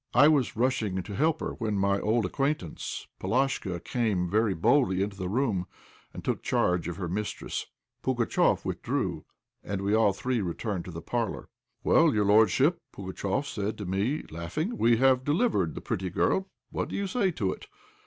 I was rushing to help her, when my old acquaintance, Polashka, came very boldly into the room, and took charge of her mistress. Pugatchéf withdrew, and we all three returned to the parlour. "Well, your lordship," Pugatchéf said to me, laughing, "we have delivered the pretty girl; what do you say to it?